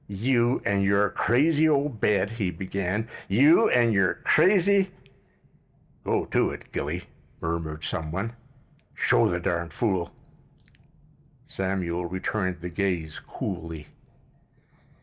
"You an' your crazy ole bed," he began. "You an' your crazy——" "Go to it, Gilly," murmured some one. "Show the darn fool—" Samuel returned the gaze coolly.